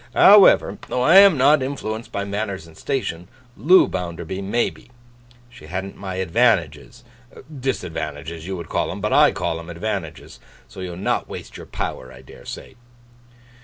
However, though I am not influenced by manners and station, Loo Bounderby may be. She hadn't my advantages—disadvantages you would call 'em, but I call 'em advantages—so you'll not waste your power, I dare say.